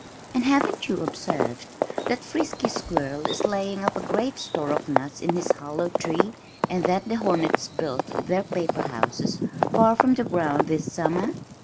And haven't you observed that Frisky Squirrel is laying up a great store of nuts in his hollow tree, and that the hornets built their paper houses far from the ground this summer?"